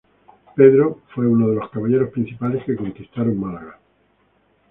Pedro fue uno de los caballeros principales que conquistaron Málaga.